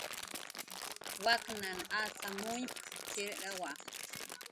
"Waknhan acxamuñp"" tz'irrawa"